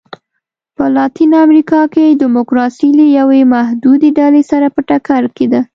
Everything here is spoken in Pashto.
په لاتینه امریکا کې ډیموکراسي له یوې محدودې ډلې سره په ټکر کې ده.